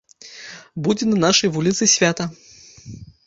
Будзе на нашай вуліцы свята.